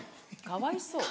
かわいそう。